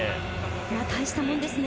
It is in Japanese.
大したものですよね。